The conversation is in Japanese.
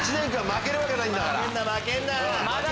負けんな負けんな！